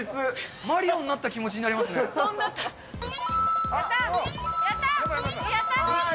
マリオになった気持ちになりやった、やった。